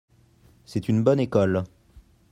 C'est une bonne école.